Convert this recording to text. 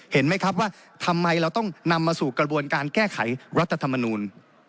เห็นไหมครับว่าทำไมเราต้องนำมาสู่กระบวนการแก้ไขรัฐธรรมนูล